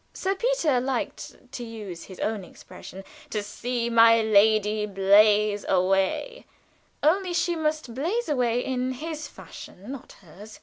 Sir Peter liked, to use his own expression, "to see my lady blaze away" only she must blaze away in his fashion, not hers.